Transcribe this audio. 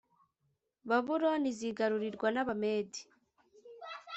babuloni izigarurirwa n abamedi